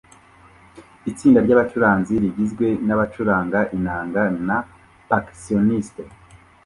Itsinda ryumucuranzi rigizwe nabacuranga inanga na percussionist